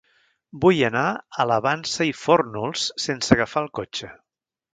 Vull anar a la Vansa i Fórnols sense agafar el cotxe.